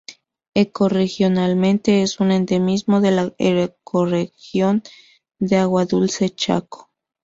Ecorregionalmente es un endemismo de la ecorregión de agua dulce Chaco.